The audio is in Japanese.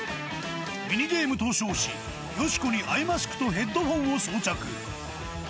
ミニゲームと称し、よしこにアイマスクとヘッドホンを装着。